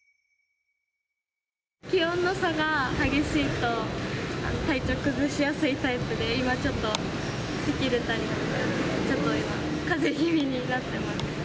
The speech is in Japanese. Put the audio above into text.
気温の差が激しいと、体調を崩しやすいタイプで、今ちょっと、咳出たり、ちょっと今、かぜ気味になってます。